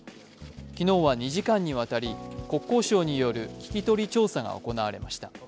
昨日は２時間にわたり国交省による聞き取り調査が行われました。